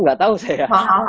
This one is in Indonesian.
gak tau saya